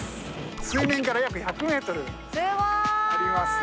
水面から約１００メートルあります。